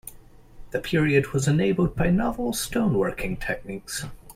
The period was enabled by novel stone working techniques.